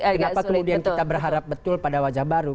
kenapa kemudian kita berharap betul pada wajah baru